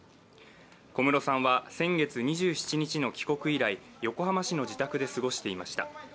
小室さんは先月２７日の帰国以来横浜市の自宅で過ごしていました。